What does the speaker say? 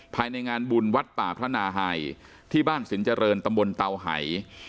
ภายในงานบุญวัดป่าพระนาไฮที่บ้านสินเจริญตำบลเตาไห่